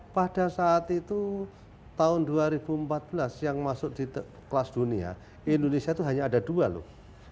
pada saat itu tahun dua ribu empat belas yang masuk di kelas dunia indonesia itu hanya ada dua loh